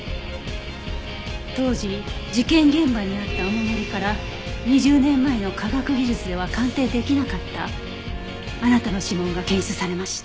当時事件現場にあったお守りから２０年前の科学技術では鑑定できなかったあなたの指紋が検出されました。